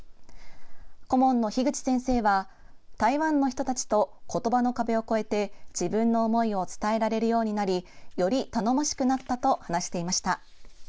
顧問の樋口先生は台湾の人たちと言葉の壁を越えて自分の思いを伝えられるようになりより頼もしくなったと話していました。